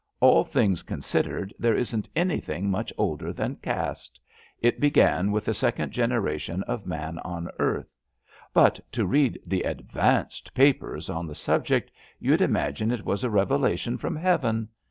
AH things considered, there isn't anything much older than caste — ^it began with the second genera tion of man on earth— but to read the. *^ ad vanced '* papers on the subject you'd imagine it was a revelation from Heaven.